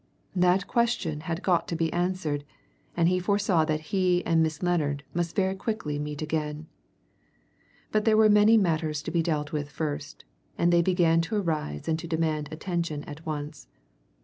That question had got to be answered, and he foresaw that he and Miss Lennard must very quickly meet again. But there were many matters to be dealt with first, and they began to arise and to demand attention at once.